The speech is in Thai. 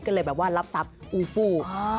ก็เลยแบบว่ารับทรัพย์อูฟู